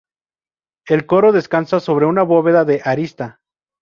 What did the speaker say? El coro descansa sobre una bóveda de arista.